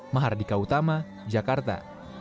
mahardika utama jakarta